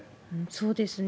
そうですね。